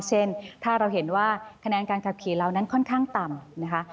เช่นถ้าเราเห็นว่าคะแนนการขับขี่เรานั้นค่อนข้างต่ำนะคะ